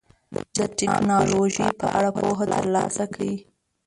د ټکنالوژۍ په اړه پوهه ترلاسه کړئ.